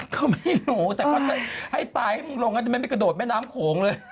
ก็ไม่รู้แต่เขาจะให้ตายลงไม่กระโดดแม่น้ำโขงเลย